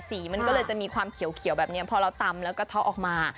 สีมันก็เลยจะมีความเขียวแบบนี้พอเราตำแล้วก็เทาะออกมา